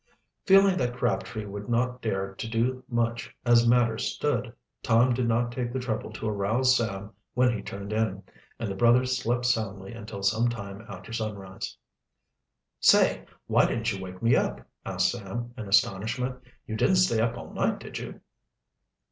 Feeling that Crabtree would not dare to do much as matters stood, Tom did not take the trouble to arouse Sam when he turned in, and the brothers slept soundly until some time after sunrise. "Say, why didn't you wake me up?" asked Sam in astonishment. "You didn't stay up all night, did you?"